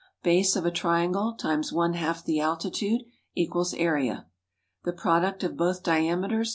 Base of a triangle × one half the altitude = Area. The product of both diameters ×